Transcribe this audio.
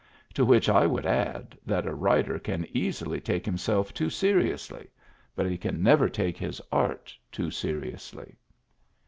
To which I would add, that a writer can easily take himself too seriously, but he can never take his art too seriously.